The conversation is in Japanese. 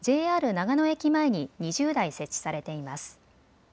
ＪＲ長野駅前に２０台設置されています。